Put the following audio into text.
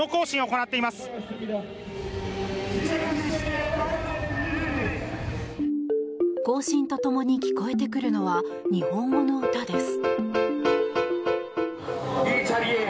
行進と共に聞こえてくるのは日本語の歌です。